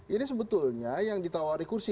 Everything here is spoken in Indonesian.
ini sebetulnya yang ditawari kursi